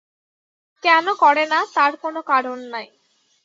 কেন করে না তার কোনো কারণ নাই।